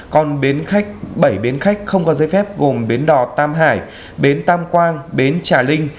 còn bảy bến khách không có giấy phép gồm bến đò tam hải bến tam quang bến trà linh